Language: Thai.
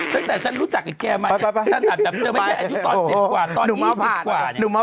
ตั้งแต่ฉันรู้จักแกมา